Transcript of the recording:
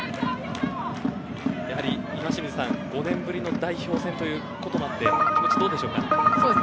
やはり、岩清水さん５年ぶりの代表戦ということもあってどうでしょうか。